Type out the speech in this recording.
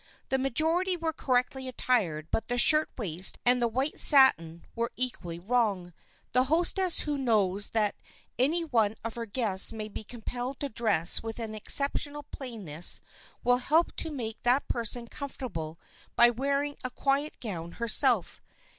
The majority were correctly attired but the shirt waist and the white satin were equally wrong. The hostess who knows that any one of her guests may be compelled to dress with exceptional plainness will help to make that person comfortable by wearing a quiet gown herself.